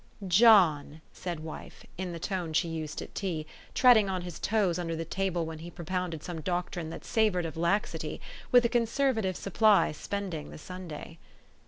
" John !" said wife, in the tone she used at tea, treading on his toes under the table when he pro pounded some doctrine that savored of laxity, with a conservative supply spending the Sunday.